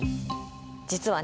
実はね